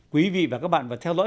quý vị và các bạn phải theo dõi